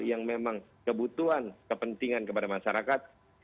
yang memang kebutuhan kepentingan kepada masyarakat